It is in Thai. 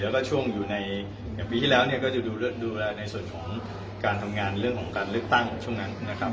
แล้วก็ช่วงอยู่ในอย่างปีที่แล้วเนี่ยก็จะดูแลในส่วนของการทำงานเรื่องของการเลือกตั้งช่วงนั้นนะครับ